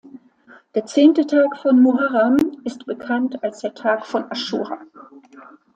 Der zehnte Tag von Muharram ist bekannt als der Tag von Aschura.